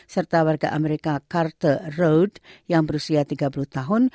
serta warga amerika carter road yang berusia tiga puluh tahun